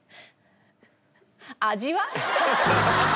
味は？